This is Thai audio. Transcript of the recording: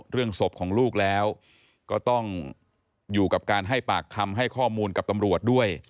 ศพของลูกแล้วก็ต้องอยู่กับการให้ปากคำให้ข้อมูลกับตำรวจด้วย